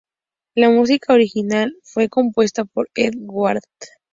La música original fue compuesta por Edward Ward.